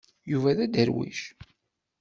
Yuba d aderwic.